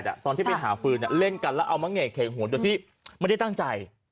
วันที่๘ตอนที่ไปหาฟืนเล่นกันแล้วเอามังเอกเค็งหัวเดี๋ยวที่ไม่ได้ตั้งใจ